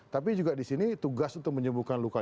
tapi juga di sini tugas untuk menyembuhkan luka